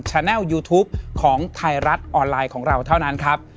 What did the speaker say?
แนลยูทูปของไทยรัฐออนไลน์ของเราเท่านั้นครับ